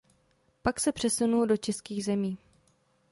Pak se přesunul do českých zemí.